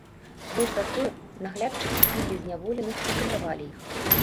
Больш за тое, наглядчыкі білі зняволеных і катавалі іх.